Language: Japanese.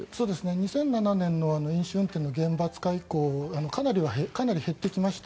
２００７年の飲酒運転の厳罰化以降かなり減ってきました。